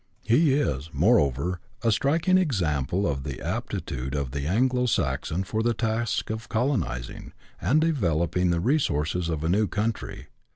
He is, moreover, a striking example of the aptitude of the Anglo Saxon for the task of colonizing, and developing the re sources of a new country.